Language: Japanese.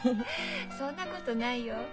そんなことないよ。